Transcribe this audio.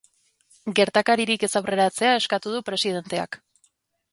Gertakaririk ez aurreratzea eskatu du presidenteak.